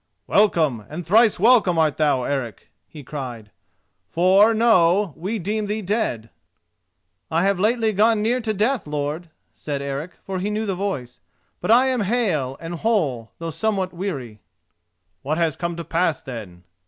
"Welcome, and thrice welcome art thou, Eric," he cried; "for, know, we deemed thee dead." "I have lately gone near to death, lord," said Eric, for he knew the voice; "but I am hale and whole, though somewhat weary." "What has come to pass, then?"